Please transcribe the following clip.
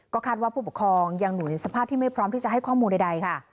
คาดว่าผู้ปกครองยังอยู่ในสภาพที่ไม่พร้อมที่จะให้ข้อมูลใดค่ะ